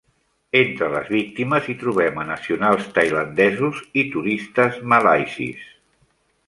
Entre les víctimes hi trobem a nacionals tailandesos i turistes malaisis.